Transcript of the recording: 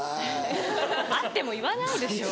あっても言わないでしょ